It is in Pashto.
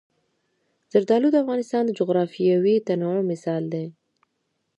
زردالو د افغانستان د جغرافیوي تنوع مثال دی.